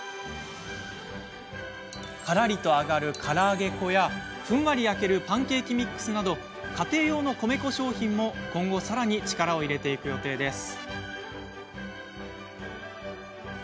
からりと揚がる、から揚げ粉やふんわり焼けるパンケーキミックスなど家庭用の米粉商品も今後さらに力を入れていく予定です。